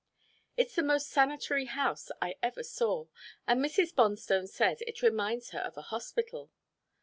It's the most sanitary house I ever saw, and Mrs. Bonstone says it reminds her of a hospital.